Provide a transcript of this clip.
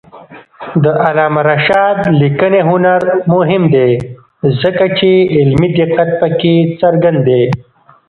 د علامه رشاد لیکنی هنر مهم دی ځکه چې علمي دقت پکې څرګند دی.